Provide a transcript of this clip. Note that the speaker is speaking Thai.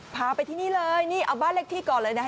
พาไปที่นี่เลยนี่เอาบ้านเลขที่ก่อนเลยนะคะ